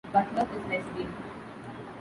Butler is lesbian.